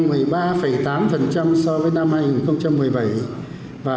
xuất khẩu đã đạt tới hai trăm bốn mươi năm tỷ đô la